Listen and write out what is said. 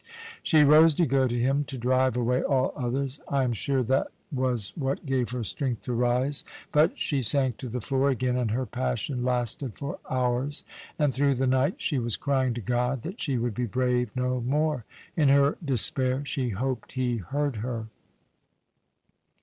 She rose to go to him, to drive away all others. I am sure that was what gave her strength to rise; but she sank to the floor again, and her passion lasted for hours. And through the night she was crying to God that she would be brave no more. In her despair she hoped he heard her.